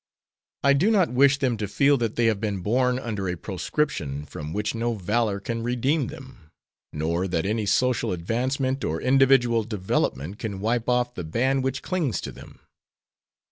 I do not wish them to feel that they have been born under a proscription from which no valor can redeem them, nor that any social advancement or individual development can wipe off the ban which clings to them.